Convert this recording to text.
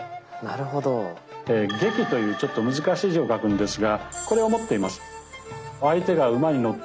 「戟」というちょっと難しい字を書くんですがこれを持っています。